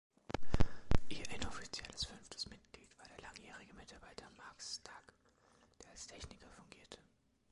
Ihr inoffizielles fünftes Mitglied war der langjährige Mitarbeiter Mark Stagg, der als Techniker fungierte.